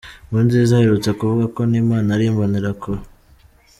Nkurunziza aherutse kuvuga ko n’Imana ari Imbonerakure.